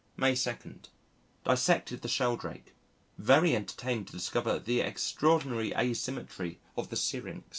May 2. Dissected the Sheldrake. Very entertained to discover the extraordinary asymmetry of the syrinx....